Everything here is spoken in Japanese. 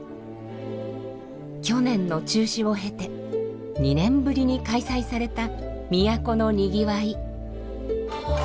去年の中止を経て２年ぶりに開催された「都の賑い」。